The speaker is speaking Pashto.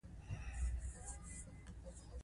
قبول شوي لاسوندونه ایډیټ کیږي.